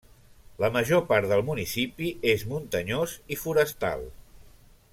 La major part del municipi és muntanyós i forestal.